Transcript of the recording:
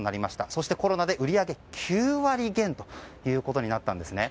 そして、コロナで売上９割減ということになったんですね。